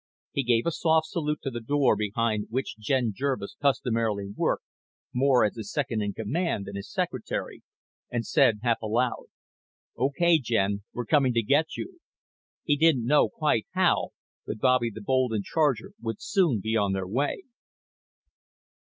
He gave a soft salute to the door behind which Jen Jervis customarily worked, more as his second in command than his secretary, and said half aloud: "Okay, Jen, we're coming to get you." He didn't know quite how, but Bobby the Bold and Charger would soon be on their way.